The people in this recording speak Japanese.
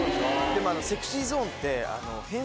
でもＳｅｘｙＺｏｎｅって。